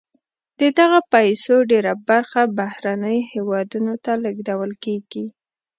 د دغه پیسو ډېره برخه بهرنیو هېوادونو ته لیږدول کیږي.